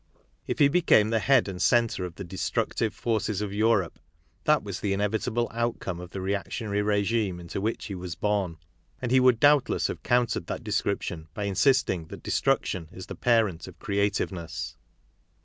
If he became the head and centre of the destructive forces of Europe, that was the inevitable outcome of the reactionary regime into which he was born; and he would doubtless have countered that description by insisting that destruction is the parent of creativeness.